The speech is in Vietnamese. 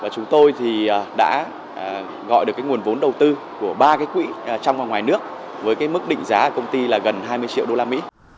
chúng tôi đã gọi được nguồn vốn đầu tư của ba quỹ trong và ngoài nước với mức định giá của công ty là gần hai mươi triệu usd